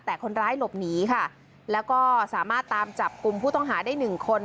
แต่คนร้ายหลบหนีค่ะแล้วก็สามารถตามจับกลุ่มผู้ต้องหาได้หนึ่งคน